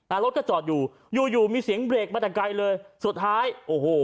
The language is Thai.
รถก็จอดอยู่อยู่มีเสียงเบรกมาแต่ไกลเลยสุดท้ายโอ้โห